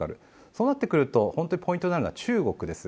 そうなってくるとポイントとなるのは中国です。